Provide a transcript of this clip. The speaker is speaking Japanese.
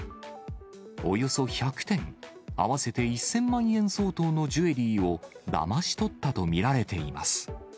およそ１００点、合わせて１０００万円相当のジュエリーをだまし取ったと見られています。